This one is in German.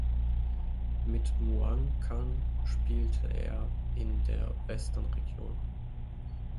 Mit Muangkan spielte er in der Western Region.